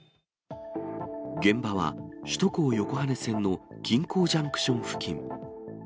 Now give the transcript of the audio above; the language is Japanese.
現場は、首都高横羽線の金港ジャンクション付近。